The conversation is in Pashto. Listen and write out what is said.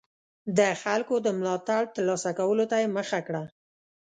د خلکو د ملاتړ ترلاسه کولو ته یې مخه کړه.